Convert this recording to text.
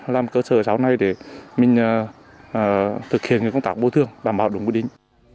làm cơ sở giáo này để mình thực hiện công tác bôi thương và mạo đúng quy định